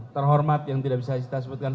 terhormat yang tidak bisa kita sebutkan